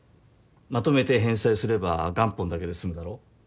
まとめて返済すれば元本だけで済むだろ？